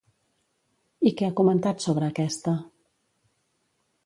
I què ha comentat sobre aquesta?